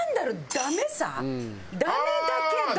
ダメだけど。